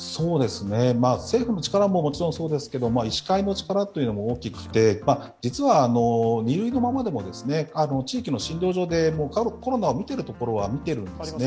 政府の力ももちろんそうですが、医師会の力も大きくて実は２類のままでも、地域の診療所でコロナを診ているところはあるんですよね。